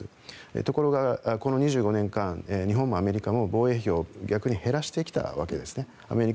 ところが、この２５年間日本もアメリカも防衛費を逆に減らしてきたわけですね。